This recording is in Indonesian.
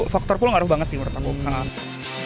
faktor pul ngaruh banget sih menurut aku